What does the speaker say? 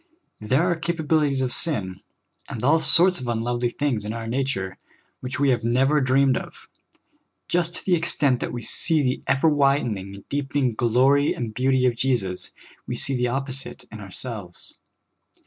There are capabilities of sin, and all sorts of unlovely things in our nature, which we have never dreamed of. Just to the extent that we see the ever widening, deepening glory and beauty of Jesus, we see the opposite in ourselves.